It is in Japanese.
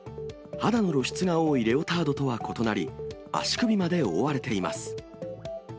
肌の露出が多いレオタードとは異なり、足首まで覆われています。